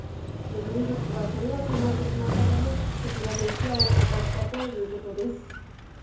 身動きが取れなくなってしまったためこちらで一夜を明かしたということです。